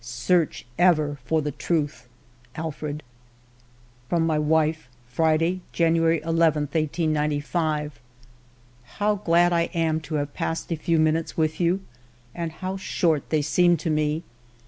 Search ever for the truth. ... Alfred." From my wife :— "Friday, January ii, 1895. " How glad I am to have passed a few minutes with you, and how short they seem to me